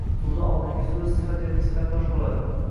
suvdan oldingi soʻz sifat yoki sifatdosh boʻladi